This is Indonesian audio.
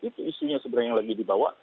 itu isunya sebenarnya yang lagi dibawa